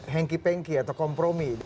hengki pengki atau kompromi